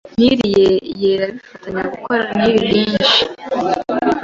Nili yera bifatanya gukora Nili nyinshi